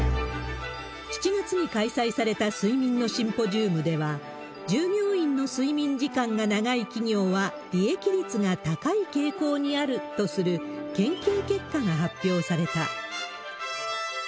７月に開催された睡眠のシンポジウムでは、従業員の睡眠時間が長い企業は、利益率が高い傾向にあるとする研究結果が発表された。